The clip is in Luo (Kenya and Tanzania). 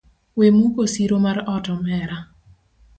Wek muko siro mar ot omera.